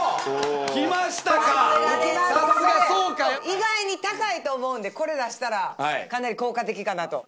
意外に高いと思うんでこれ出したらかなり効果的かなと。